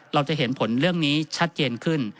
เราจะเห็นผลเรื่องนี้ชัดเจนขึ้น